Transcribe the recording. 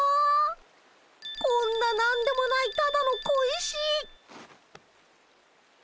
こんな何でもないただの小石。